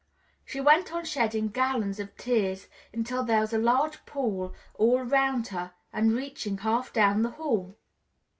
She went on shedding gallons of tears, until there was a large pool all 'round her and reaching half down the hall.